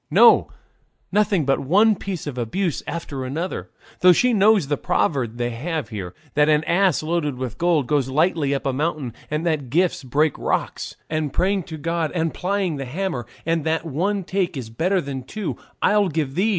No, nothing but one piece of abuse after another, though she knows the proverb they have here that 'an ass loaded with gold goes lightly up a mountain,' and that 'gifts break rocks,' and 'praying to God and plying the hammer,' and that 'one "take" is better than two "I'll give thee's."